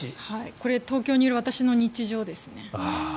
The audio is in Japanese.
これ、東京にいる私の日常ですね。